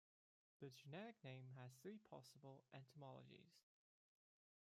The generic name has three possible etymologies.